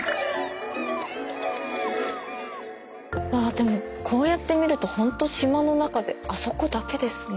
でもこうやって見るとホント島の中であそこだけですね。